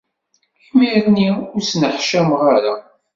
Imir-nni, ur ttneḥcameɣ ara.